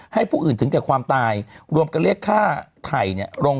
ผู้อื่นถึงแก่ความตายรวมกันเรียกค่าไผ่เนี่ยลง